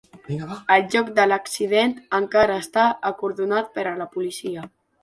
El lloc de l’accident encara està acordonat per la policia.